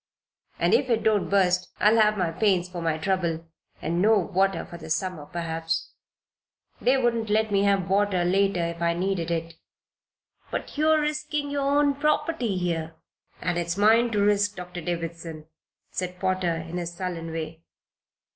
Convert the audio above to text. "And if it don't burst I'll have my pains for my trouble and no water for the summer, perhaps. They wouldn't let me have water later, if I needed it." "But you're risking your own property here." "And it's mine to risk, Dr. Davison," said Potter, in his sullen way.